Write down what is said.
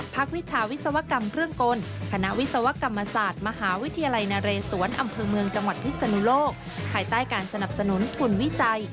ภายใต้การสนับสนุนภูมิวิจัย